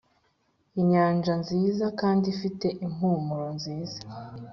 inyanja nziza kandi ifite impumuro nziza,